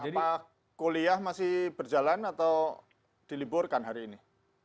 apakah kuliah masih berjalan atau diliburkan hari ini